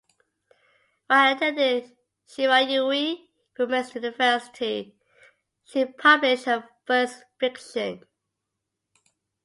While attending Shirayuri Women's University she published her first fiction.